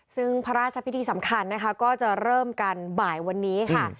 ซึ่งพระราชพิธีสำคัญนะคะก็จะเริ่มกันบ่ายวันนี้ค่ะ